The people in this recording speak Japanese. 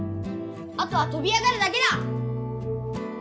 あとはとび上がるだけだ！